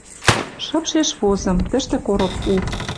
Шыпшеш возым. Тӹштӹ — короп у.